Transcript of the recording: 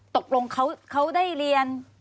ตกลงเขาได้เรียน